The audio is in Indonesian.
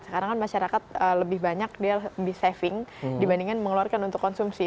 sekarang kan masyarakat lebih banyak dia lebih saving dibandingkan mengeluarkan untuk konsumsi